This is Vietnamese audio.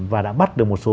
và đã bắt được một số